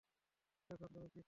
এখন তুমি কী চাও?